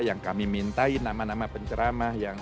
yang kami mintai nama nama penceramah yang